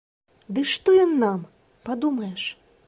Ды што ён нам, падумаеш!